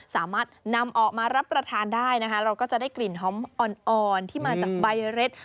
สามารถนำออกมารับประทานได้นะคะเราก็จะได้กลิ่นหอมอ่อนที่มาจากใบเร็ด